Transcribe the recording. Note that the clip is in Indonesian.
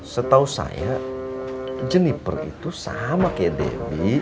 setau saya jeniper itu sama kayak debbie